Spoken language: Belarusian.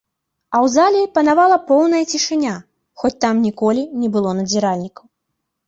А ў залі панавала поўная цішыня, хоць там ніколі не было надзіральнікаў.